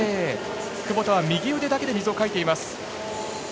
窪田は右腕だけで水をかいています。